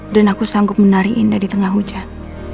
dan aku sanggup menari indah di tengah hujan